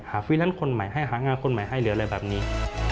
ฟีแลนซ์คนใหม่ให้หางานคนใหม่ให้หรืออะไรแบบนี้